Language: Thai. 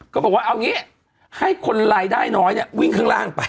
ก็บอกว่าเอางี้ให้คนรายได้น้อยเนี่ยวิ่งข้างล่างไป